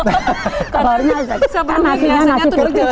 karena sebelumnya biasanya tuh jalan jalan dengan asli